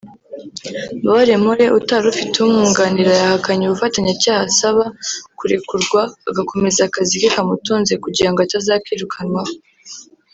Mbabarempore utari ufite umwunganira yahakanye ubufatanyacyaha asaba kurekurwa agakomeza akazi ke kamutunze kugira ngo atazakirukanwaho